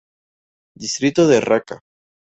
Distrito de Raqa.